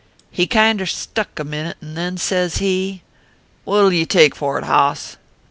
" He kinder stuck a minute, and then says he :" What ll ye take for it, hoss ?